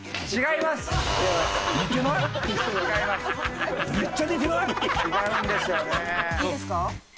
いいですか？